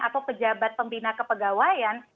atau pejabat pembina kepegawaian